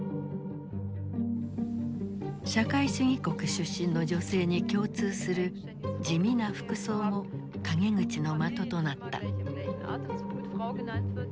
社会主義国出身の女性に共通する地味な服装も陰口の的となった。